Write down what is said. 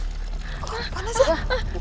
kok panas ya